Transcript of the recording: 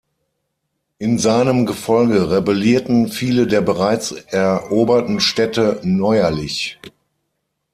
In seinem Gefolge rebellierten viele der bereits eroberten Städte neuerlich.